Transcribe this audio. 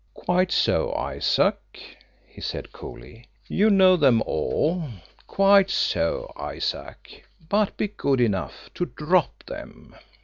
"Quite so, Isaac," he said coolly; "you know them all! Quite so, Isaac but be good enough to DROP them!"